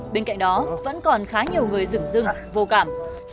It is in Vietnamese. bên cạnh đó vẫn còn khá nhiều người rừng rừng vô cảm